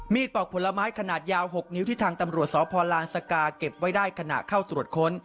ปอกผลไม้ขนาดยาว๖นิ้วที่ทางตำรวจสพลานสกาเก็บไว้ได้ขณะเข้าตรวจค้น